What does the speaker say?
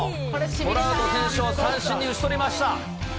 トラウト選手を三振に打ち取りました。